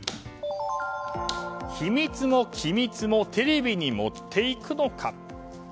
秘密も機密もテレビに持っていくのか。